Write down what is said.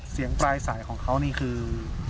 เสียงปลายสายของเขานี่คือ